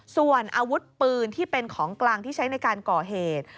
ส่วนอาวุธปืนที่เป็นของกลางที่ใช้ในการก่อเหตุ